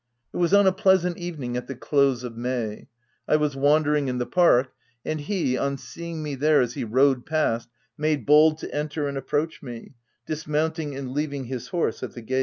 It was on a pleasant evening at the close of May: I was wandering in the park, and he, on seeing me there as he rode past, made bold to enter and approach me, dis mounting and leaving his horse at the gate.